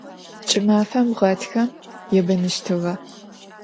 Ç'ımafer ğatxem yêbenıştığe.